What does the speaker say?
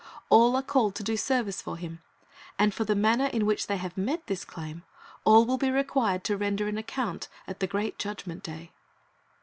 All are called to do service for Him, and for the manner in which, they have met this claim, all will be required to render an account at the great Judgment day.